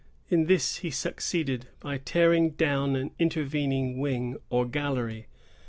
In this he succeeded, by tearing down an intervening wing or gallery.